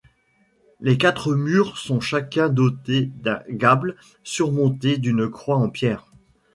Les quatre murs sont chacun dotés d'un gable surmonté d'une croix en pierre.